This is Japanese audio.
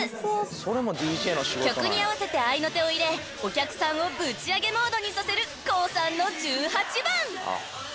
［曲に合わせて合いの手を入れお客さんをぶち上げモードにさせるＫＯＯさんの十八番］